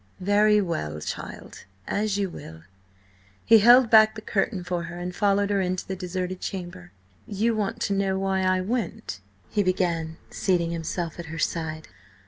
"Very well, child, as you will." He held back the curtain for her and followed her into the deserted chamber. "You want to know why I went?" he began, seating himself at her side.